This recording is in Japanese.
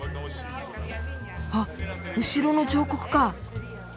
あっ後ろの彫刻か。